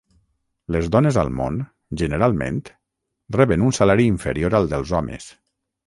Les dones al món, generalment, reben un salari inferior al dels homes.